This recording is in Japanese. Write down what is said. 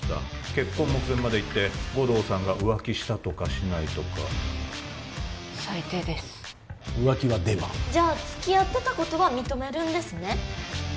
結婚目前までいって護道さんが浮気したとかしないとか最低です浮気はデマじゃあつきあってたことは認めるんですね？